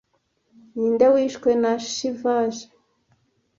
Ninde 'wishwe na Shivaji